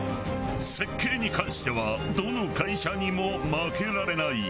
設計に関してはどの会社にも負けられない！